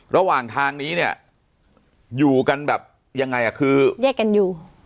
ระหว่างทางนี้เนี่ยอยู่กันแบบยังไงอ่ะคือแยกกันอยู่